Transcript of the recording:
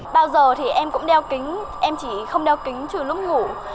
bao giờ thì em cũng đeo kính em chỉ không đeo kính trừ lúc ngủ